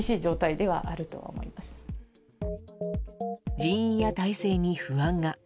人員や体制に不安が。